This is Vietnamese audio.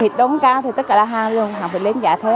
thịt lợn cao thì tất cả là hàng luôn hàng thịt lén giá thế